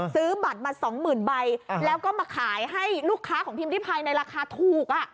ซื้อบัตรบัตรสองหมื่นใบเฮียแล้วก็มาขายให้ลูกค้าของพิมพ์วิทธิพายในราคาถูกอ่ะ